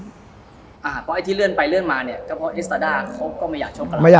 เพราะไอ้ที่เลื่อนไปเลื่อนมาเนี่ย